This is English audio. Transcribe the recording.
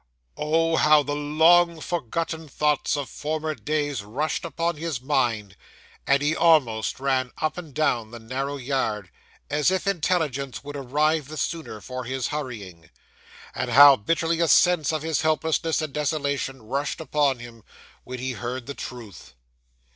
Oh! how the long forgotten thoughts of former days rushed upon his mind, as he almost ran up and down the narrow yard as if intelligence would arrive the sooner for his hurrying and how bitterly a sense of his helplessness and desolation rushed upon him, when he heard the truth!